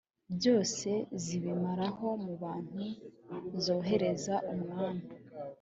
byose zibimaraho mu bantu zoherereza umwami